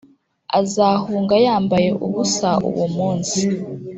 azahunga yambaye ubusa uwo munsi!